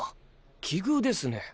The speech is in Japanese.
奇遇ですね。